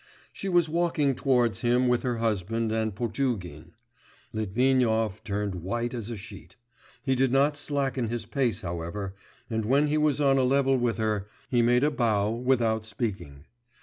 She was walking towards him with her husband and Potugin. Litvinov turned white as a sheet; he did not slacken his pace, however, and when he was on a level with her, he made a bow without speaking.